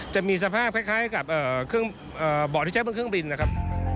จะมีสภาพคล้ายกับเครื่องเบาะที่ใช้บนเครื่องบินนะครับ